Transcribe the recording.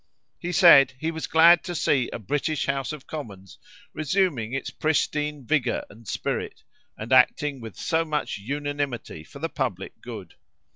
He said, he was glad to see a British House of Commons resuming its pristine vigour and spirit, and acting with so much unanimity for the public good.